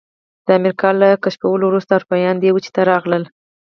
د امریکا له کشفولو وروسته اروپایان دې وچې ته راغلل.